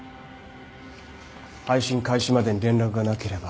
配信開始までに連絡がなければ。